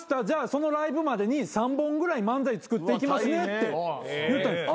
そのライブまでに３本ぐらい漫才作っていきますねって言ったんです。